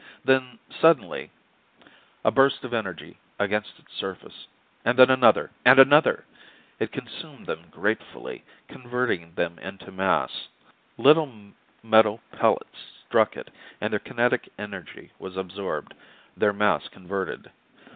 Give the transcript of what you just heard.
Then suddenly A burst of energy against its surface, and then another, and another. It consumed them gratefully, converting them into mass. Little metal pellets struck it, and their kinetic energy was absorbed, their mass converted.